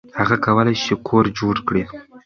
هغه کولی شي کور جوړ کړي.